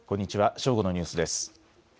正午のニュースです。